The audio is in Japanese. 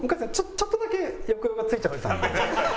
ちょっとだけ抑揚がついちゃってたんで。